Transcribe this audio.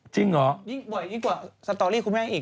จริงเหรอยิ่งบ่อยยิ่งกว่าสตอรี่คุณแม่อีก